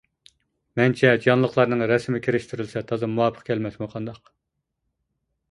مەنچە جانلىقلارنىڭ رەسىمى كىرىشتۈرۈلسە تازا مۇۋاپىق كەلمەسمۇ قانداق.